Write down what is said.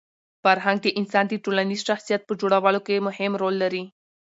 فرهنګ د انسان د ټولنیز شخصیت په جوړولو کي مهم رول لري.